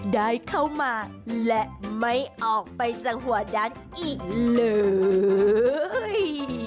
ได้เข้ามาและไม่ออกไปจากหัวดันอีกเลย